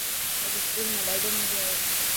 اڄ اسڪول ۾ ڏاڌو مزو آيو.